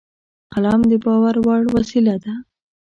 قلم د باور وړ وسیله ده